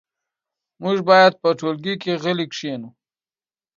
موږ باید په ټولګي کې غلي کښېنو.